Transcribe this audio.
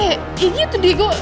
ya gitu digo